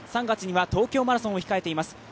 ３月には東京マラソンを控えています。